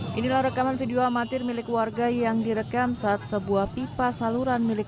hai inilah rekaman video amatir milik warga yang direkam saat sebuah pipa saluran milik